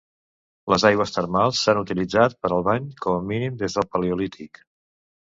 Les aigües termals s'han utilitzat per al bany com a mínim des del paleolític.